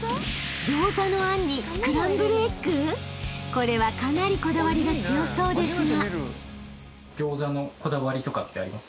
［これはかなりこだわりが強そうですが］